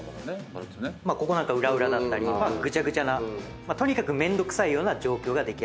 ここなんか裏裏だったりぐちゃぐちゃなとにかくめんどくさい状況が出来上がりました。